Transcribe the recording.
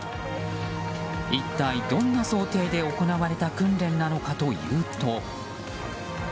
一体どんな想定で行われた訓練なのかというと。